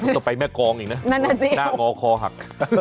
ต้องไปแม่กองอีกนะหน้างอคอหัก